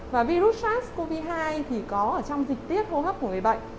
và virus sars cov hai thì có ở trong dịch tiết hô hấp của người bệnh